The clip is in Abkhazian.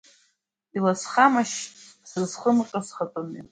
Илсхмашь сызхымҟьо схатәы мҩа?